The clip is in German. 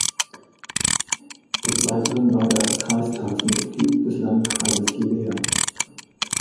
Des Weiteren war er Kreistagsmitglied des Landkreises Leer.